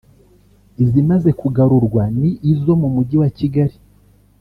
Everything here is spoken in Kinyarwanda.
Izimaze kugarurwa ni izo mu mujyi wa Kigali